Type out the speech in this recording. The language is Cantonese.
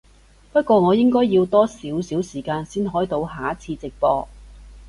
不過我應該要多少少時間先開到下一次直播